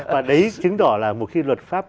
và đấy chứng tỏ là một khi luật pháp